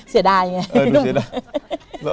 เสียดายไง